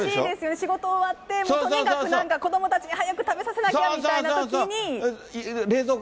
仕事終わって、とにかくなんか子どもたちに、何か早く食べさせなきゃみたいなときに。